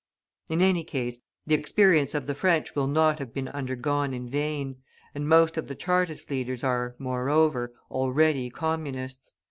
In any case, the experience of the French will not have been undergone in vain, and most of the Chartist leaders are, moreover, already Communists.